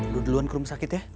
lo duluan ke rumah sakit ya